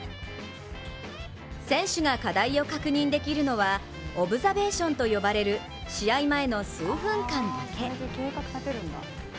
選手が課題を確認できるのはオブザベーションと呼ばれる試合前の数分間だけ。